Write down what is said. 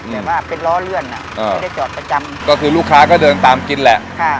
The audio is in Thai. แต่ว่าเป็นล้อเลื่อนอ่ะอ่าไม่ได้จอดประจำก็คือลูกค้าก็เดินตามกินแหละค่ะ